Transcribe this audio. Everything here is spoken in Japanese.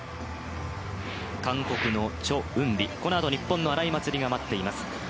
韓国のチョ・ウンビ、このあと日本の荒井祭里が待っています。